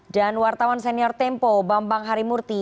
dan wartawan senior tempo bambang harimurti